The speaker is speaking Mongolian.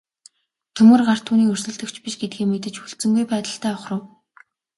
Төмөр гарт түүний өрсөлдөгч биш гэдгээ мэдэж хүлцэнгүй байдалтай ухрав.